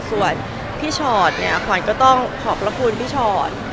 ส่วนพี่ชอตเนี่ยขวัญก็ต้องขอบพระคุณพี่ชอต